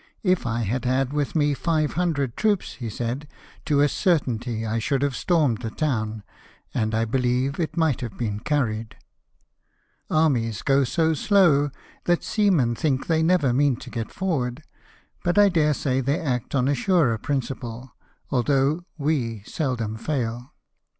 "If I had had with me five hundred troops," he said, " to a certainty I should have stormed the town; and I believe it might have been carried. Armies go so slow that seamen think they never mean to get forward; but I dare say they act on a surer principle, although we seldom fail."